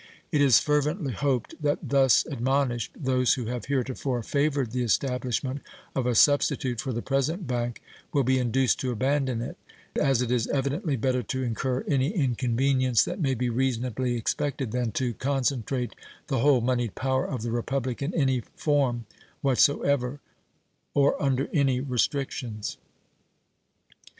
It is fervently hoped that thus admonished those who have heretofore favored the establishment of a substitute for the present bank will be induced to abandon it, as it is evidently better to incur any inconvenience that may be reasonably expected than to concentrate the whole moneyed power of the Republic in any form what so ever or under any restrictions.